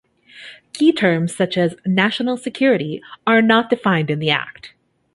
Key terms, such as "national security", are not defined in the Act.